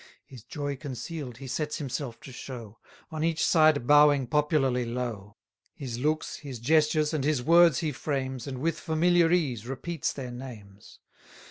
His joy conceal'd he sets himself to show; On each side bowing popularly low: His looks, his gestures, and his words he frames, 690 And with familiar ease repeats their names.